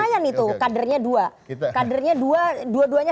lumayan itu kadernya dua kadernya dua duanya